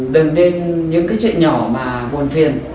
đừng nên những cái chuyện nhỏ mà buồn phiền